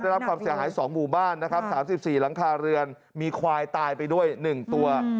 รับความเสียหาย๒หมู่บ้านนะครับ๓๔หลังคาเรือนมีควายตายไปด้วย๑ตัว